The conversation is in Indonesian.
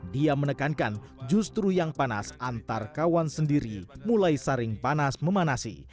dia menekankan justru yang panas antar kawan sendiri mulai saring panas memanasi